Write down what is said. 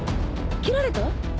斬られた？